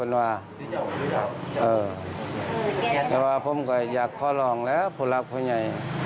แล้วผมอยากขอร้องล่ะพ่อนาคต์พ่อไหน